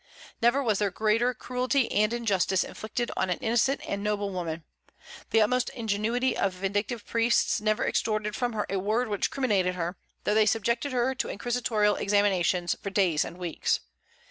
Never was there greater cruelty and injustice inflicted on an innocent and noble woman. The utmost ingenuity of vindictive priests never extorted from her a word which criminated her, though they subjected her to inquisitorial examinations for days and weeks.